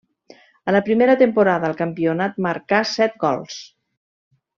A la primera temporada al campionat marcà set gols.